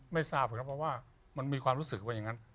ไม่ทราบครับเพราะว่ามันมีความรู้สึกว่าอย่างนั้น